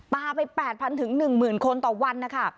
ปลาไป๘๐๐๐ถึง๑๐๐๐๐คนต่อวันนะคะ